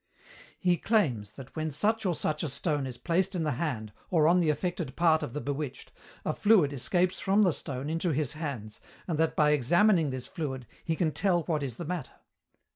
"He claims that when such or such a stone is placed in the hand or on the affected part of the bewitched a fluid escapes from the stone into his hands, and that by examining this fluid he can tell what is the matter.